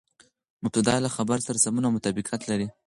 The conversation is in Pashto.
مبتداء له خبر سره سمون او مطابقت لري.